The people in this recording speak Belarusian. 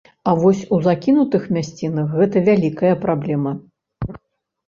А вось у закінутых мясцінах гэта вялікая праблема.